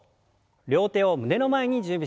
両手を胸の前に準備します。